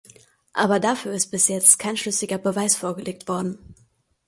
Aber dafür ist bis jetzt kein schlüssiger Beweis vorgelegt worden.